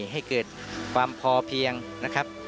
ให้เกิดความพอเพียงนะครับ